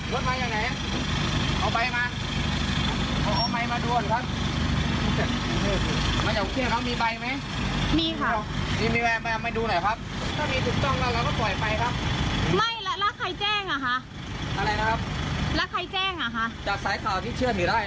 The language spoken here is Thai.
แล้วใครแจ้งอ่ะคะจากสายข่าวที่เชื่อมอยู่ได้